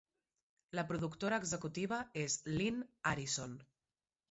La productora executiva és Lin Arison.